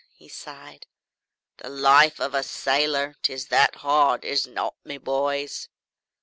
he sighed. "The life of a sailor, 'tis that hard is't not, me boys?"